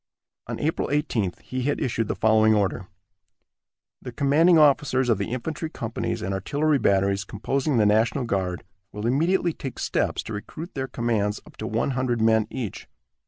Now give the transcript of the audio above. On April 18th he had issued the following order: "The commanding officers of the infantry companies and artillery batteries composing the national guard will immediately take steps to recruit their commands up to one hundred men each.